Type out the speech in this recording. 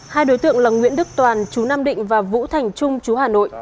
hai đối tượng là nguyễn đức toàn chú nam định và vũ thành trung chú hà nội